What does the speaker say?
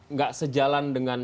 nggak sejalan dengan